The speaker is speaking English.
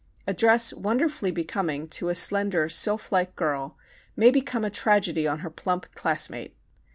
A dress wonderfully becoming to a slender sylphlike girl may become a tragedy on her plump classmate.